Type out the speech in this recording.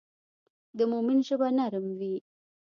د مؤمن ژبه نرم وي.